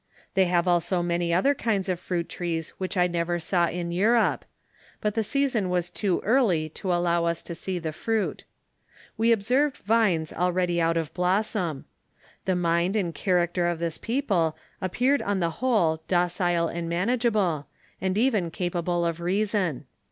They have also many other kinds of frnit trees which I never saw in Europe ; but the season was too early to allow ub to see the fruit. We observed vines already out of blossom. The mird and character of this people ap peared on the whole docile and manageable, and even capa ble of reason.